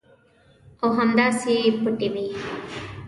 او همداسې پټې وي.